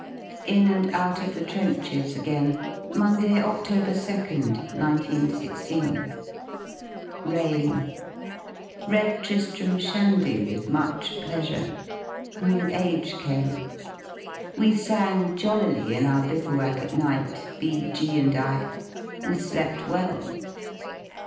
IN AND OUT OF THE TRENCHES AGAIN Monday, Oct. 2nd, 1 9 1 6. rRain. Read "Tri^ram Shandy" with much pleasure. l^ew Age came. We sang jollily in our bivouac at night, B , G , and I. We slept well.